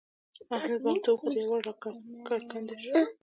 احمد بام ته خوت؛ یو وار را کرکنډه شو.